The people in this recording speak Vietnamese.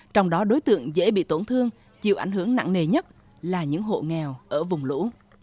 trong đó đối tượng dễ bị tổn thương chịu ảnh hưởng nặng nề nhất là những hộ nghèo ở vùng lũ